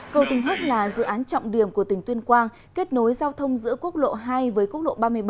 cầu tình húc là dự án trọng điểm của tỉnh tuyên quang kết nối giao thông giữa quốc lộ hai với quốc lộ ba mươi bảy